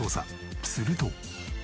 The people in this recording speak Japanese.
すると。